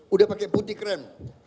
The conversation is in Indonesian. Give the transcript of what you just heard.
udah pakai putih krem